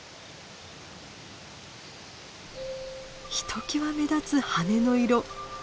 ひときわ目立つ羽の色。